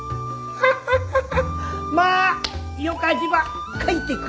ハハハハ。